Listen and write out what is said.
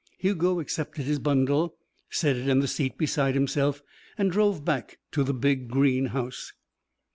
Hugo accepted his bundle, set it in the seat beside himself, and drove back to the big, green house.